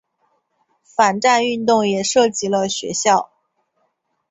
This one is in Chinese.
反战运动也波及了学校。